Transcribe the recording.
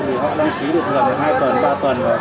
vì họ đăng ký được thường là hai tuần ba tuần